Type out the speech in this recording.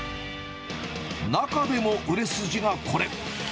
中でも売れ筋がこれ。